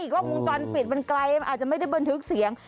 กล้องวงจรปิดก็มันไกลอาจจะไม่ได้เพิ่มทุกข์เสียง